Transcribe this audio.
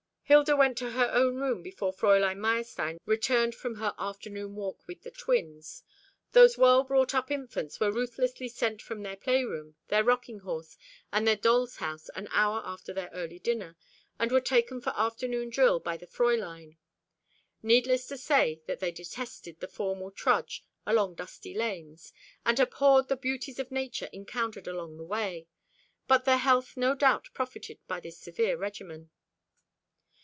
Hilda went to her own room before Fräulein Meyerstein returned from her afternoon walk with the twins. Those well brought up infants were ruthlessly sent from their playroom, their rocking horse, and their doll's house, an hour after their early dinner, and were taken for afternoon drill by the Fräulein. Needless to say that they detested the formal trudge along dusty lanes, and abhorred the beauties of Nature encountered on the way; but their health no doubt profited by this severe regimen.